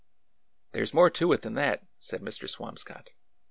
" There 's more to it than that," said Mr. Swamscott.